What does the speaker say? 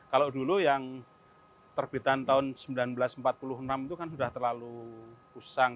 kalau dulu yang terbitan tahun seribu sembilan ratus empat puluh enam itu kan sudah terlalu pusang